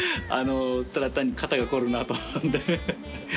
ただ単に肩が凝るなと思って。